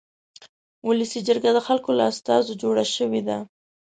ولسي جرګه د خلکو له استازو جوړه شوې ده.